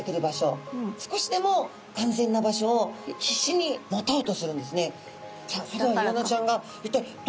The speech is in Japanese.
少しでも安全な場所を必死に持とうとするんですね。